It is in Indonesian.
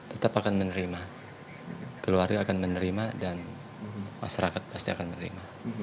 tetap akan menerima keluarga akan menerima dan masyarakat pasti akan menerima